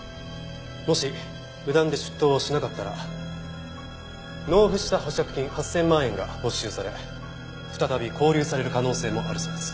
もし無断で出頭をしなかったら納付した保釈金８０００万円が没収され再び勾留される可能性もあるそうです。